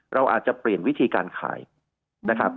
เราอาจจะเปลี่ยนวิธีการขายนะครับ